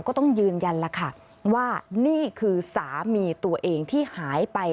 ก็ต้องยืนยันแล้วค่ะว่านี่คือสามีตัวเองที่หายไป